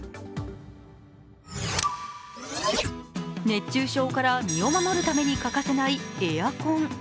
熱中症から身を守るために欠かせないエアコン。